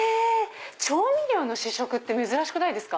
調味料の試食珍しくないですか？